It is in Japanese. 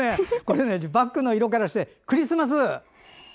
バックの色からしてクリスマス！